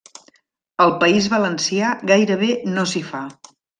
Al País Valencià gairebé no s'hi fa.